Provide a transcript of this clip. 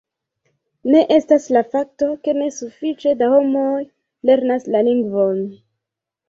Ne estas la fakto, ke ne sufiĉe da homoj lernas la lingvon.